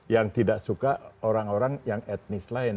yang tidak suka orang orang yang etnis lain